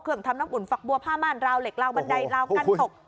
ทำน้ำอุ่นฝักบัวผ้าม่านราวเหล็กราวบันไดราวกั้นตก